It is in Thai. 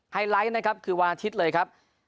ไลท์นะครับคือวันอาทิตย์เลยครับ